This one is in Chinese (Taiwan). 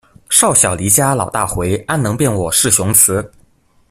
少小離家老大回，安能辨我是雄雌